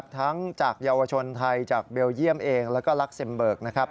ทั้งจากเยาวชนไทยจากเบลเยี่ยมเองแล้วก็ลักเซมเบิกนะครับ